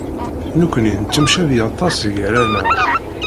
Nekkni nettemcabi aṭas gar-aneɣ.